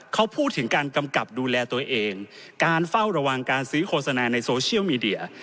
เขาพูดถึงการกำกับดูแลตัวเองการเฝ้าระวังการซื้อโฆษณาในโซเชียลมีเดีย